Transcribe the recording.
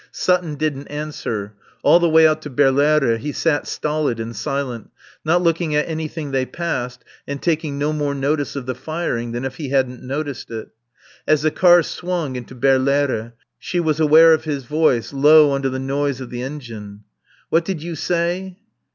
Sutton didn't answer. All the way out to Berlaere he sat stolid and silent, not looking at anything they passed and taking no more notice of the firing than if he hadn't heard it. As the car swung into Berlaere she was aware of his voice, low under the noise of the engine. "What did you say?"